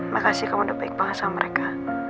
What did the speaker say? makasih kamu udah baik banget sama mereka